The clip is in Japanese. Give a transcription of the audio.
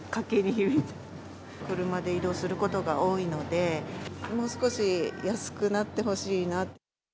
車で移動することが多いので、もう少し安くなってほしいな。